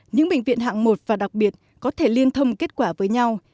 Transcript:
những bệnh viện hạng một và đặc biệt có thể liên thông kết quả với nhau